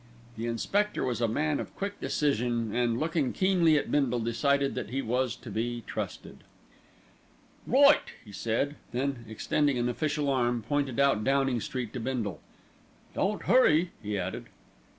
The inspector was a man of quick decision and, looking keenly at Bindle, decided that he was to be trusted. "Right!" he said, then extending an official arm, pointed out Downing Street to Bindle. "Don't hurry," he added.